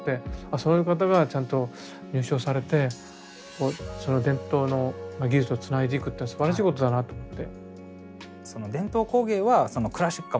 そういう方がちゃんと入賞されてその伝統の技術をつないでいくっていうのはすばらしいことだなと思って。